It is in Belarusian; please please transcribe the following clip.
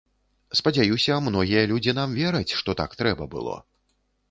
Спадзяюся, многія людзі нам вераць, што так трэба было.